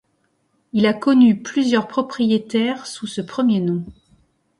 Il a connu pluisieurs propriétaires sous ce premier nom.